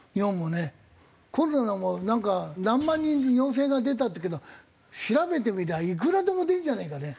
コロナもなんか何万人陽性が出たって言うけど調べてみたらいくらでも出るんじゃないかね。